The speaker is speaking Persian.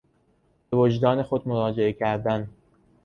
به وجدان خود مراجعه کردن